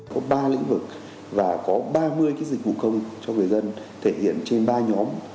có ba lĩnh vực và có ba mươi cái dịch vụ công cho người dân thể hiện trên ba nhóm